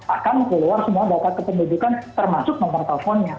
akan keluar semua data kependudukan termasuk nomor teleponnya